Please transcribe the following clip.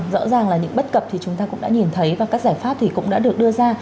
rõ ràng là những bất cập thì chúng ta cũng đã nhìn thấy và các giải pháp thì cũng đã được đưa ra